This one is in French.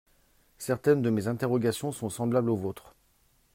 Certaines de mes interrogations sont semblables aux vôtres.